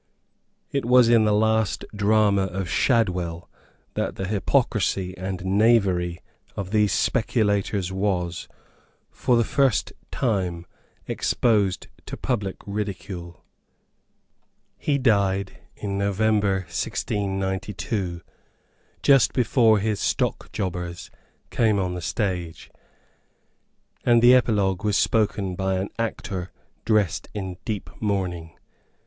It was in the last drama of Shadwell that the hypocrisy and knavery of these speculators was, for the first time, exposed to public ridicule. He died in November 1692, just before his Stockjobbers came on the stage; and the epilogue was spoken by an actor dressed in deep mourning.